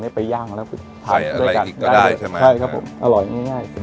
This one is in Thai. เนี่ยไปย่างแล้วก็ทานด้วยกันใช้อะไรอีกก็ได้ใช่ไหมใช่ครับผม